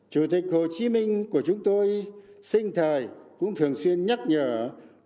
chủ tịch hồ chí minh của chúng tôi sinh thời cũng thường xuyên nhắc nhở người đảng viên